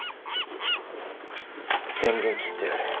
電源切ってやる。